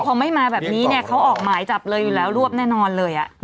พอไม่มาแบบนี้เนี่ยเขาออกหมายจับเลยอยู่แล้วรวบแน่นอนเลย